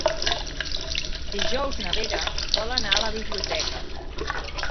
Dijous na Vera vol anar a la biblioteca.